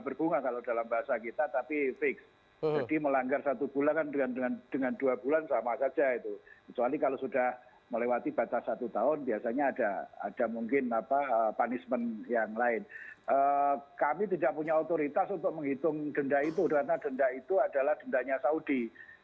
berapa undang undang saudi